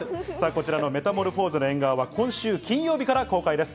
こちら『メタモルフォーゼの縁側』は今週金曜日から公開です。